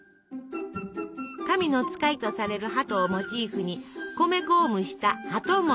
神の使いとされる鳩をモチーフに米粉を蒸した鳩餅。